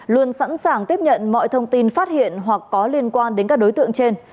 luôn sẵn sàng tiếp nhận mọi thông tin phát hiện hoặc có liên quan đến các đối tượng trên